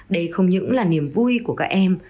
đây không những là niềm vui của các em